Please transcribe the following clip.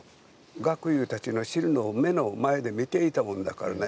学友たちの死ぬのを目の前で見ていたもんだからね。